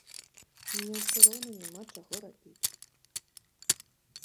Мне ўсё роўна няма чаго рабіць.